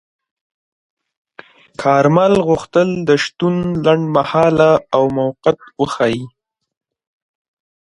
کارمل غوښتل د شتون لنډمهاله او موقت وښيي.